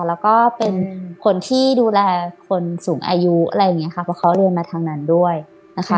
แล้วก็เป็นคนที่ดูแลคนสูงอายุอะไรอย่างเงี้ค่ะเพราะเขาเรียนมาทางนั้นด้วยนะคะ